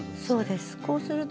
そうです。